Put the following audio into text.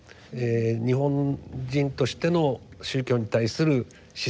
日本人としての宗教に対する姿勢を振り返る。